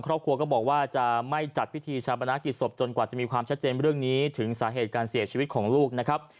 ครอบครัวก็บอกว่าจะไม่จัดพิธีชาปนากิจศพจนกว่าจะมีความชัดเจนเรื่องนี้ถึงสาเหตุการเสียชีวิตของลูกนะครับ